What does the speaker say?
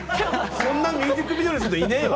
そんなミュージックビデオの人いないわ！